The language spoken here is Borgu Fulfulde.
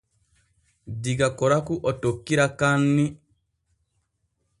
Diga Koraku o tokkira Kaanni.